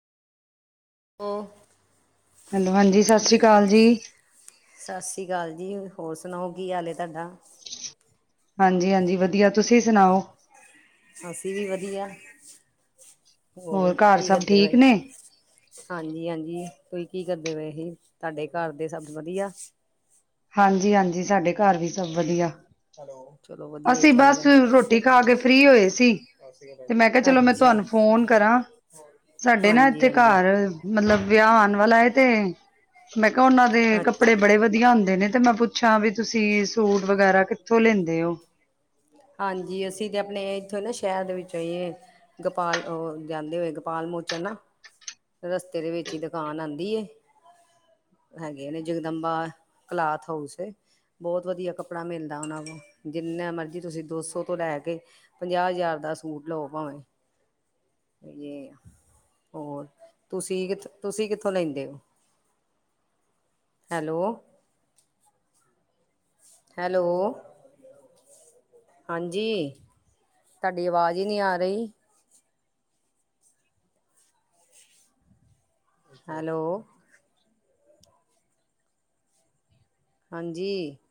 ਉਹ ਹੈਲੋ ਹਾਂਜੀ ਸਸ ਸ੍ਰੀ ਕਾਲ ਜੀ। ਸਸ ਸ੍ਰੀ ਕਾਲ ਜੀ, ਹੋਰ ਸੁਣਾਓ ਕੀ ਹਾਲ ਏ ਟਾਡਾ। ਹਾਂਜੀ-ਹਾਂਜੀ ਵਧੀਆ ਤੁਸੀਂ ਸੁਣਾਓ। ਅਸੀਂ ਵੀ ਵਧੀਆ। ਹੋਰ ਘਰ ਕੀ ਸਭ ਕਰਦੇ ਪਏ ਠੀਕ ਨੇ ਹਾਂਜੀ-ਹਾਂਜੀ। ਤੂਹੀ ਕੀ ਕਰਦੇ ਪਏ ਸੀ, ਤੁਹਾਡੇ ਘਰ ਦੇ ਸਭ ਵਧੀਆ। ਹਾਂਜੀ-ਹਾਂਜੀ ਸਾਡੇ ਘਰ ਵੀ ਸਭ ਵਧੀਆ। ਚਲੋ ਵਧੀਆ ਹੀ ਅਸੀਂ ਬਸ ਚਾਹੀਦਾ ਰੋਟੀ ਖਾ ਕੇ ਫ੍ਰਰੀ ਹੋਏ ਸੀ। ਤੇ ਮੈਂ ਕਿਹਾ ਚਲੋ ਮੈਂ ਅੱਛਾ ਤੁਹਾਨੂੰ ਫੋਨ ਕਰਾਂ। ਸਾਡੇ ਨਾ ਹਾਂਜੀ ਇੱਥੇ ਹਾਂਜੀ ਘਰ ਮਤਲਬ ਵਿਆਹ ਆਉਣ ਵਾਲਾ ਤੇ ਮੈਂ ਕਿਹਾ ਉਹਨਾਂ ਦੇ ਅੱਛਾ ਕੱਪੜੇ ਬੜੇ ਵਧੀਆ ਹੁੰਦੇ ਨੇ। ਮੈਂ ਪੁੱਛਾਂ ਵੀ ਤੁਸੀਂ ਸੂਟ ਵਗੈਰਾ ਕਿੱਥੋਂ ਲੈਂਦੇ ਹੋ। ਹਾਂਜੀ ਅਸੀਂ ਤੇ ਆਪਣੇ ਇੱਥੋਂ ਨਾ ਸ਼ਹਿਰ ਦੇ ਵਿੱਚਏ ਗੋਪਾਲ ਉਹ ਜਾਂਦੇ ਹੋਏ ਗਪਾਲ ਪਾਲਮੋਚ ਨਾ ਰਸਤੇ ਦੇ ਵਿੱਚ ਹੀ ਦੁਕਾਨ ਆਦੀ ਏ ਹੈਗੇ ਨੇ ਜਗਦੰਬਾ ਕਲਾਥ ਹਾਊਸ ਏ। ਬਹੁਤ ਵਧੀਆ ਕੱਪੜਾ ਮਿਲਦਾ ਉਹਨਾਂ ਕੋ, ਜਿੰਨਾ ਮਰਜੀ ਤੁਸੀਂ ਦੋ ਸੌ ਤੋਂ ਲੈ ਕੇ ਪੰਜਾਹ ਹਜ਼ਾਰ ਦ ਸੂਟ ਲਓ ਭਾਵੇਂ। ਯੇ ਹੋਰ ਤੁਸੀਂ ਕਿਥ ਤੁਸੀ ਕਿੱਥੋਂ ਲੈਂਦੇ ਹੋ। ਹੈਲੋ। ਹੈਲੋ। ਹਾਂਜੀ ਤੁਹਾਡੀ ਅਵਾਜ਼ ਹੀ ਨੀ ਆ ਰਹੀ। ਹੈਲੋ। ਹਾਂਜੀ।